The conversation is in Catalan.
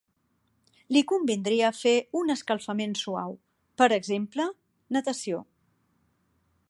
Li convindria fer un escalfament suau, per exemple natació.